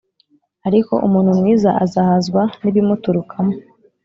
ariko umuntu mwiza azahazwa n’ibimuturukamo